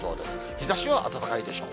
日ざしは暖かいでしょう。